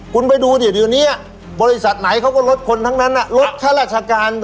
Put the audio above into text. คุณไปดูดิเดี๋ยวนี้บริษัทไหนเขาก็ลดคนทั้งนั้นลดค่าราชการ